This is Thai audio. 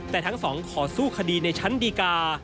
แต่ทั้งสองขอสู้คดีในชั้นดีกา